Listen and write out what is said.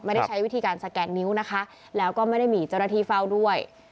ใช้วิธีการสแกนนิ้วนะคะแล้วก็ไม่ได้มีเจ้าหน้าที่เฝ้าด้วย